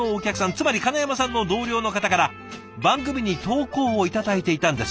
つまり金山さんの同僚の方から番組に投稿を頂いていたんです。